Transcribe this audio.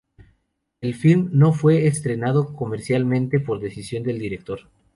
El "film" no fue estrenado comercialmente por decisión del director.